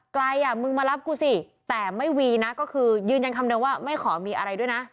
อ่ะมึงมารับกูสิแต่ไม่มีนะก็คือยืนยันคำเดิมว่าไม่ขอมีอะไรด้วยนะ